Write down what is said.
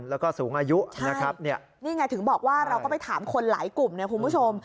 แล้วก็สูงอายุนะครับเนี่ยนี่ไงถึงบอกว่าเราก็ไปถามคนหลายกลุ่มเนี่ยคุณผู้ชม